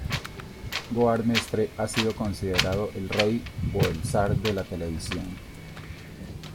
Goar Mestre ha sido considerado "el Rey" o "el Zar de la televisión".